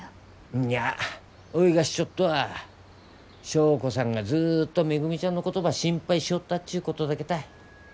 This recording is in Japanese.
うんにゃおいが知っちょっとは祥子さんがずっとめぐみちゃんのことば心配しとったっちゅうことだけたい。